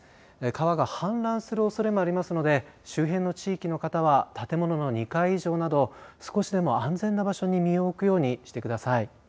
川が氾濫するおそれもありますので周辺の地域の方は建物の２階以上など少しでも安全な場所に身を置くようにしてください。